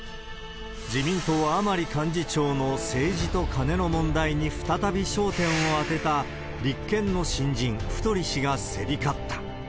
自民党、甘利幹事長の政治とカネの問題に再び焦点を当てた立憲の新人、太氏が競り勝った。